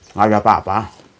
nggak ada apa apa